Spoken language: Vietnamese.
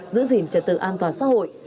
giữ gìn trật tự an toàn xã hội